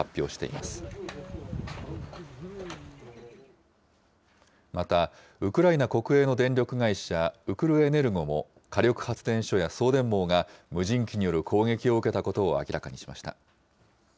また、ウクライナ国営の電力会社ウクルエネルゴも、火力発電所や送電網が無人機による攻撃を受けたことを明らかにしました。